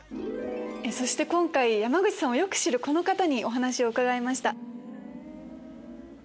そして今回山口さんをよく知るこの方にお話を伺いました。